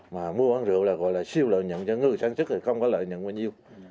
mà mua bán rượu là gọi là siêu lợi nhận cho người sản xuất thì không có lợi nhận bao nhiêu